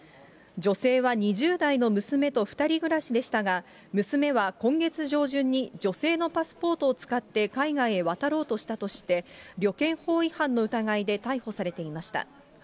女性は２０代の娘と２人暮らしでしたが、娘は今月上旬に女性のパスポートを使って海外へ渡ろうとしたとして、旅券法違反の疑いで逮捕されていました。